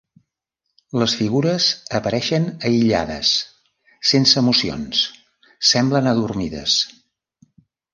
Les figures apareixen aïllades, sense emocions, semblen adormides.